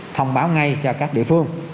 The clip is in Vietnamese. thông báo ngay cho các địa phương